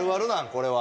これは。